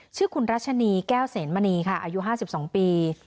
ชื่อคุณรัชนีแก้วเสนมณีค่ะอายุ๕๒ปี